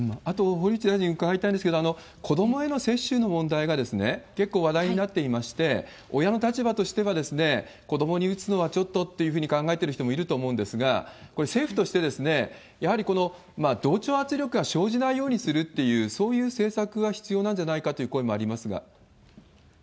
あと、堀内大臣に伺いたいんですけれども、子どもへの接種の問題が結構話題になっていまして、親の立場としては、子どもに打つのはちょっとっていうふうに考えてる人もいると思うんですが、これ、政府として、やはり同調圧力が生じないようにするっていう、そういう政策が必要なんじゃないかという声もありますが。